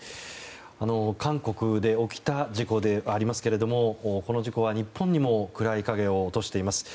韓国で起きた事故ではありますがこの事故は、日本にも暗い影を落としています。